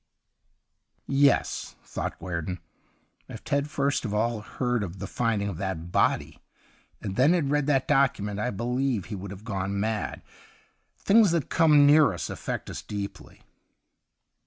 ' Yes/ thought Guerdon, ' if Ted had first of all heard of the finding of that body, and then had read that document, I believe that he would have gone mad. Things that come near us affect us deeply.'